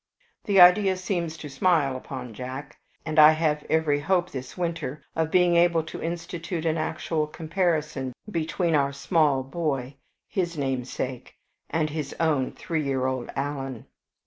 The idea seems to smile upon Jack, and I have every hope this winter of being able to institute an actual comparison between our small boy, his namesake, and his own three year old Alan.